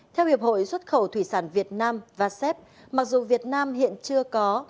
theo hiệp hội xuất khẩu thủy sản việt nam và sep mặc dù việt nam hiện chưa có